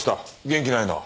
元気ないな。